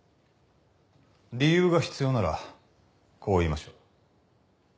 理由が必要ならこう言いましょう。